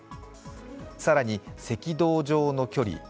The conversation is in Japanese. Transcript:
更に「赤道上の距理」。